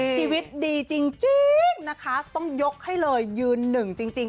ชีวิตดีจริงนะคะต้องยกให้เลยยืนหนึ่งจริง